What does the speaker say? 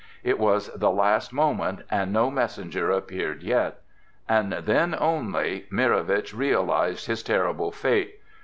It was the last moment and no messenger appeared yet; and then only Mirowitch realized his terrible fate.